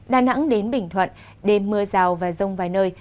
đà nẵng đến bình thuận đêm mưa rào và rông vài nơi